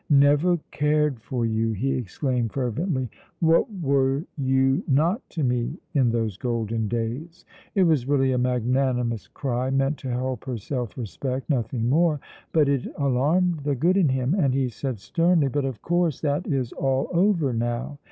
"Never cared for you!" he exclaimed fervently. "What were you not to me in those golden days!" It was really a magnanimous cry, meant to help her self respect, nothing more; but it alarmed the good in him, and he said sternly: "But of course that is all over now.